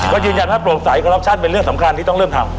ก็ยืนยันว่าโปร่งใสคอรัปชั่นเป็นเรื่องสำคัญที่ต้องเริ่มทำ